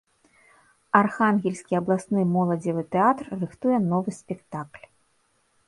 Архангельскі абласны моладзевы тэатр рыхтуе новы спектакль.